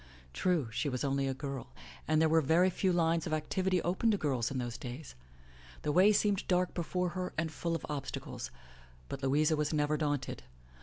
True, she was only a girl, and there were very few lines of activity open to girls in those days. The way seem ed dark before her and full of obstacles. But Louisa was never daunted.